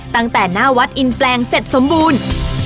ตั้งแต่หน้าวัดอินแปลงเสร็จสมบูรณ์